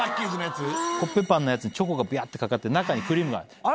コッペパンにチョコがビャってかかって中にクリームが。